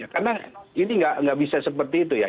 karena ini nggak bisa seperti itu ya